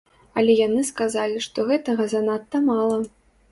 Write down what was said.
Але яны сказалі, што гэтага занадта мала.